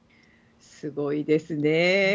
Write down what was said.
すごいですね。